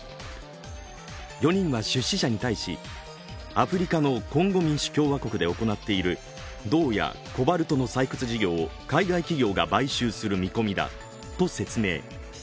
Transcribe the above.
４人は出資者に対し、アフリカのコンゴ民主共和国で行っている銅やコバルトの採掘事業を海外企業が買収する見込みだと説明。